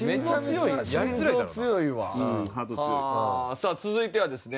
さあ続いてはですね